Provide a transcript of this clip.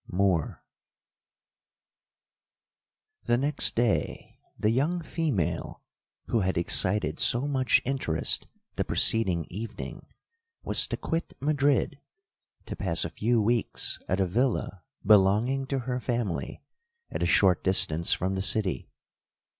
MOORE 'The next day, the young female who had excited so much interest the preceding evening, was to quit Madrid, to pass a few weeks at a villa belonging to her family, at a short distance from the city.